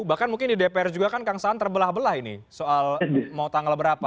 bahkan mungkin di dpr juga kan kang saan terbelah belah ini soal mau tanggal berapa